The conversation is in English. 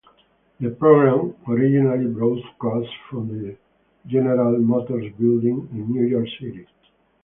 The program originally broadcast from the General Motors Building in New York City.